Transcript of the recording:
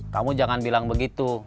kamu jangan bilang begitu